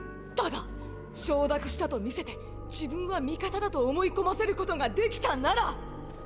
だが承諾したと見せて自分は味方だと思い込ませることができたなら！